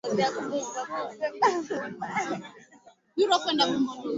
ili kusaidia kupambana na kundi la waasi lenye vurugu linalojulikana kama